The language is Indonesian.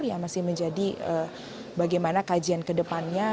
yang masih menjadi bagaimana kajian kedepannya